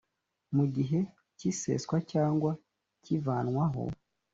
mu gihe cy iseswa cyangwa cy ivanwaho